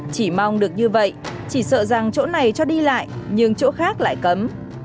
chỉ mong được như vậy chỉ sợ rằng chỗ này cho đi lại nhưng chỗ khác lại cấm